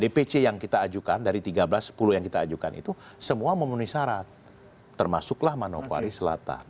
dpc yang kita ajukan dari tiga belas sepuluh yang kita ajukan itu semua memenuhi syarat termasuklah manokwari selatan